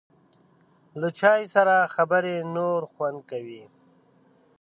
له چای سره خبرې نور خوند کوي.